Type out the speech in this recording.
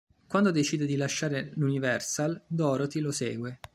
Quando decide di lasciare l'Universal, Dorothy lo segue.